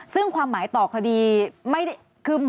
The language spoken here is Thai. ซึ่งความหมายต่อคดีคือหมอ